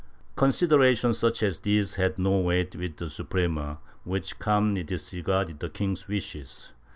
Considerations such as these had no weight with the Suprema, which calmly disregarded the king's wishes.